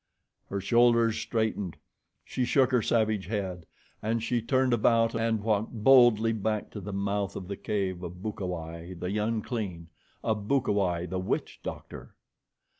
Her shoulders straightened. She shook her savage head, and she turned about and walked boldly back to the mouth of the cave of Bukawai, the unclean of Bukawai, the witch doctor.